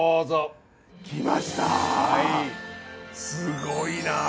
すごいな。